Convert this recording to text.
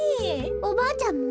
おばあちゃんも？